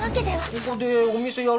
ここでお店やるんだべ？